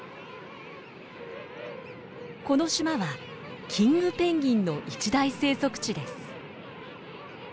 この島はキングペンギンの一大生息地です。